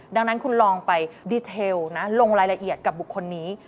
ดังนั้นคุณลองไปดีเทลนะลงรายละเอียดกับบุคคลนี้